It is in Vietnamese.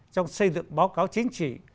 trong xây dựng báo cáo chính trị